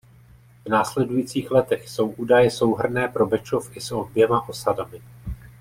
V následujících letech jsou údaje souhrnné pro Bečov i s oběma osadami.